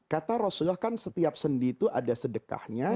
kata rasulullah kan setiap sendi itu ada sedekahnya